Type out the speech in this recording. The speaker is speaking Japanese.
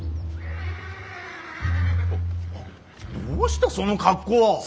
どうしたその格好は。